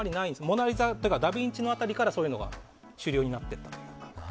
「モナ・リザ」というかダヴィンチ辺りからそういうのが主流になったと。